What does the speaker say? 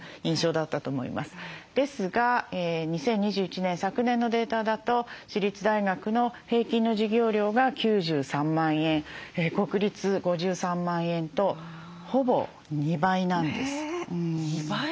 ですが２０２１年昨年のデータだと私立大学の平均の授業料が９３万円国立５３万円とほぼ２倍なんです。